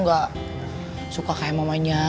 gak suka kayak mamanya